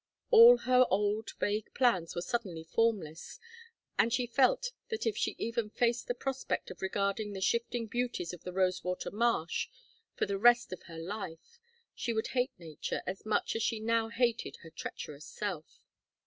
All her old vague plans were suddenly formless, and she felt that if she even faced the prospect of regarding the shifting beauties of the Rosewater marsh for the rest of her life, she would hate nature as much as she now hated her treacherous self.